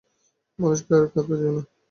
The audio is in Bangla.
মানুষকে আর কাঁদতে দিও না।